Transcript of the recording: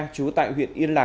trú tại huyện yên lạc